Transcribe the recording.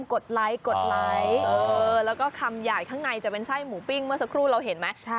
ดไลค์กดไลค์แล้วก็คำใหญ่ข้างในจะเป็นไส้หมูปิ้งเมื่อสักครู่เราเห็นไหม